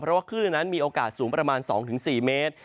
เพราะว่าคลื่นนั้นมีโอกาสสูงประมาณ๒๔เมตร